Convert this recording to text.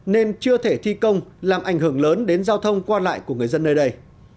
nên chưa thể thi công làm ảnh hưởng lớn đến giao thông qua lại của người dân nơi đây